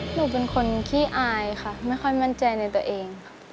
หนูเป็นคนขี้อายค่ะไม่ค่อยมั่นใจในตัวเองค่ะ